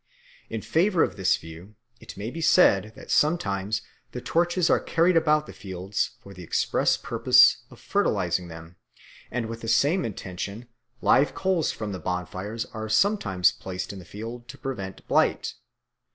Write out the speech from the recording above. In favour of this view it may be said that sometimes the torches are carried about the fields for the express purpose of fertilising them, and with the same intention live coals from the bonfires are sometimes placed in the fields to prevent blight.